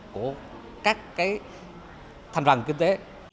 của các thành phần kinh tế